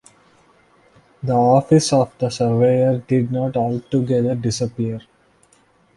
The office of the Surveyor did not altogether disappear.